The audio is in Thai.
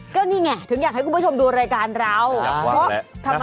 ก็นี่ไงถึงอยากให้คุณผู้ชมดูรายการเรา